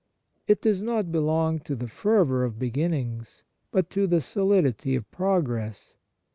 It does not belong to the fervour of begin nings, but to the solidity of progress.